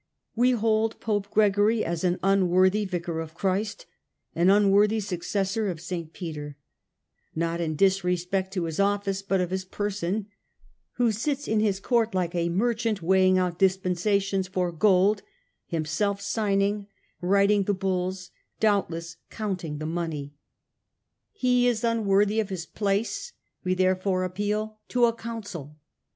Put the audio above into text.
We hold Pope Gregory as an unworthy Vicar of Christ, an unworthy successor of St. Peter ; not in disrespect to his office, but of his person, who sits in his court like a merchant weighing out dispensations for gold, himself signing, writing the bulls, doubtless counting the money. He is unworthy 164 STUPOR MUNDI of his place ; we therefore appeal to a Council.